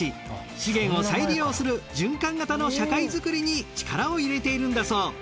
資源を再利用する循環型の社会づくりに力を入れているんだそう。